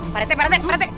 pak rete pak rete pak rete